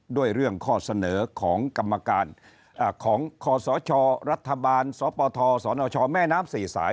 ด้วยเรื่องข้อเสนอของกรรมการของคศรัฐบาลสปทสนชแม่น้ำสี่สาย